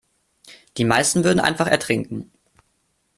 Die meisten würden einfach ertrinken.